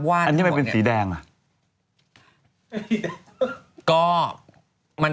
ไหน